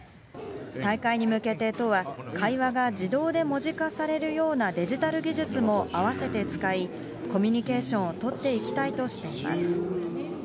大会に向けて都は、会話が自動で文字化されるようなデジタル技術も併せて使い、コミュニケーションを取っていきたいとしています。